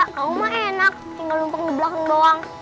kamu mah enak tinggal numpang di belakang doang